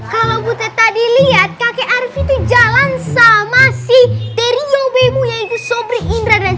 kalau buta tadi lihat kakek arfi jalan sama si teriobemo yaitu sobri indra dan